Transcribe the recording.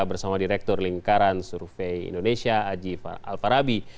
bersama direktur lingkaran survei indonesia aji alfarabi